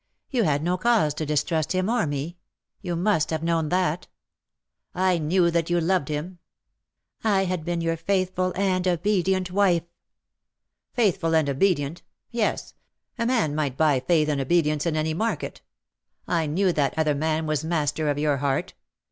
You had no cause to distrust him or me. You must have known that/' " I knew that you loved him/' " I had been your faithful and obedient wife." " Faithful and obedient ; yes — a man might buy faith and obedience in any market. I knew that other man was master of your heart.